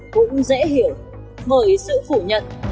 cũng dễ hiểu với sự phủ nhận